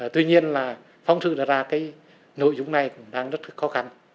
tuy nhiên là phóng sự đặt ra cái nội dung này cũng đang rất khó khăn